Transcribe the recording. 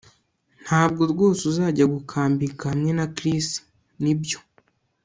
Ntabwo rwose uzajya gukambika hamwe na Chris nibyo